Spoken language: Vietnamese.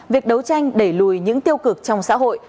việc đấu tranh đẩy lùi những tiêu cực trong xã hội